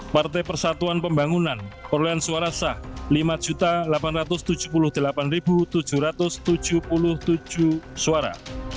partai persatuan pembangunan perolehan suara sah lima delapan ratus tujuh puluh delapan tujuh ratus tujuh puluh tujuh suara